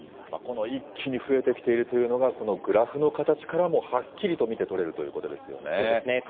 この一気に増えてきているというのがこのグラフの形からもはっきりと見て取れるということですよね。